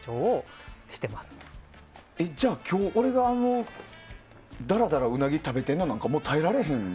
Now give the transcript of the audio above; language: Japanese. じゃあ、今日、俺がだらだらうなぎ食べてるのなんか耐えられへん。